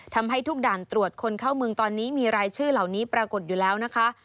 ทำให้ทุกด่านตรวจคนเข้าเมืองตอนนี้มีรายชื่อเหล่านี้ปรากฏอยู่แล้วนะคะ